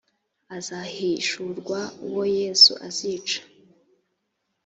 azahishurwa uwo yesu azica